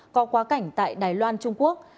có qua cảnh tại đài loan trung quốc